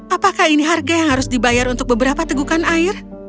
apakah ini harga yang harus dibayar untuk beberapa tegukan air